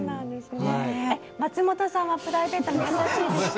松本さんはプライベートで優しいですか？